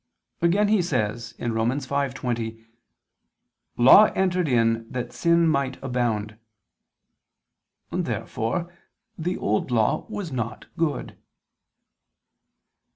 Again he says (Rom. 5:20): "Law entered in that sin might abound." Therefore the Old Law was not good.